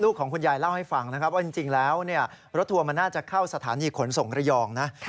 ของคุณยายเล่าให้ฟังนะครับว่าจริงแล้วรถทัวร์มันน่าจะเข้าสถานีขนส่งระยองนะ